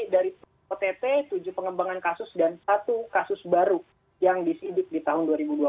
dari ott tujuh pengembangan kasus dan satu kasus baru yang disidik di tahun dua ribu dua puluh